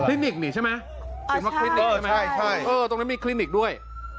คลินิกนี่ใช่ไหมอ่าใช่ใช่เออตรงนั้นมีคลินิกด้วย